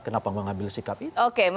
kenapa mengambil sikap itu